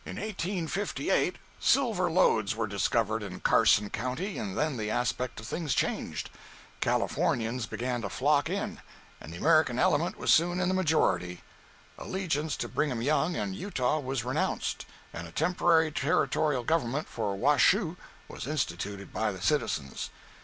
jpg (88K) In 1858 silver lodes were discovered in "Carson County," and then the aspect of things changed. Californians began to flock in, and the American element was soon in the majority. Allegiance to Brigham Young and Utah was renounced, and a temporary territorial government for "Washoe" was instituted by the citizens.